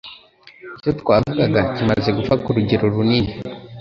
icyo twavugaga kimaze gupfa ku rugero runini